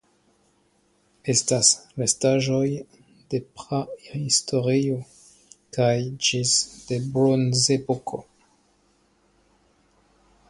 Estas restaĵoj de Prahistorio kaj ĝis de Bronzepoko.